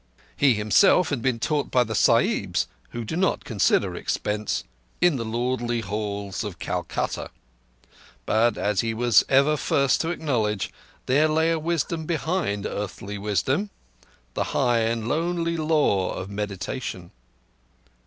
He himself had been taught by the Sahibs, who do not consider expense, in the lordly halls of Calcutta; but, as he was ever first to acknowledge, there lay a wisdom behind earthly wisdom—the high and lonely lore of meditation.